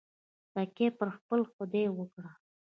تکیه پر خپل خدای وکړه.